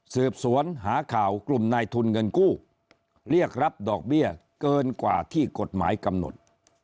สืบสวนหาข่าวกลุ่มนายทุนเงินกู้เรียกรับดอกเบี้ยเกินกว่าที่กฎหมายกำหนด